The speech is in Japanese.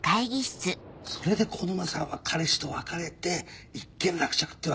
それで小沼さんは彼氏と別れて一件落着ってわけね？